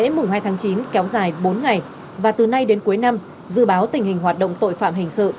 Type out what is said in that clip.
lễ mùng hai tháng chín kéo dài bốn ngày và từ nay đến cuối năm dự báo tình hình hoạt động tội phạm hình sự